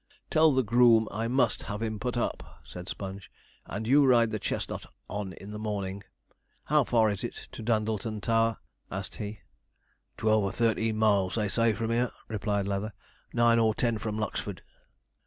'Tell the groom I must have him put up,' said Sponge; 'and you ride the chestnut on in the morning. How far is it to Dundleton Tower?' asked he. 'Twelve or thirteen miles, they say, from here,' replied Leather; 'nine or ten from Lucksford.'